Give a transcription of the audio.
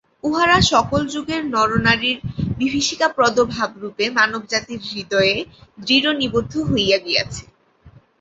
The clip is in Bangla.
উহারা সকল যুগের নরনারীর বিভীষিকাপ্রদ ভাবরূপে মানবজাতির হৃদয়ে দৃঢ়-নিবদ্ধ হইয়া গিয়াছে।